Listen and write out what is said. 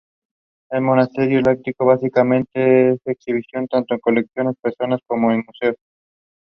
He was removed from the job after the incident.